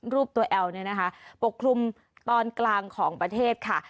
รูปตัวแอลเนี่ยนะคะปกคลุมตอนกลางของประเทศค่ะ